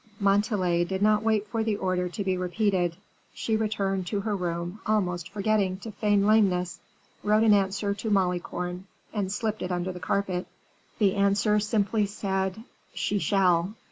Montalais did not wait for the order to be repeated; she returned to her room, almost forgetting to feign lameness, wrote an answer to Malicorne, and slipped it under the carpet. The answer simply said: "She shall."